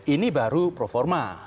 ini baru performa